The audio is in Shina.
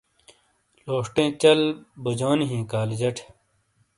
لوشٹئیں چل بوجونی ہِیں کالجٹ